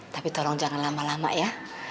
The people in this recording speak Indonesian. tapi tolong jangan lama lama ya